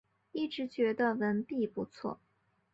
一直觉得文笔不错